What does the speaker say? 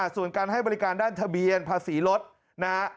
ส่วนการให้บริการด้านทะเบียนภาษีรถนะฮะ